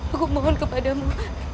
aku mohon kepadamu